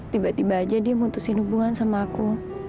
tiba tiba aja dia mutusin hubungan sama aku